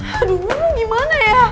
aduh gimana ya